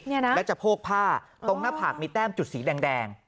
แล้วจะโพกผ้าตรงหน้าผากมีแต้มจุดสีแดง